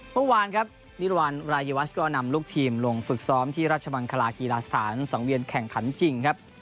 เมื่อวานครับมิรวรรณรายวัชก็นำลูกทีมลงฝึกซ้อมที่ราชมังคลากีฬาสถานสังเวียนแข่งขันจริงครับ